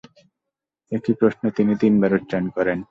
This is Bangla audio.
একই প্রশ্ন তিনি তিনবার উচ্চারন করেন।